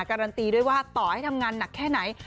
การันตีด้วยว่าต่อให้ทำงานหนักแค่ไหน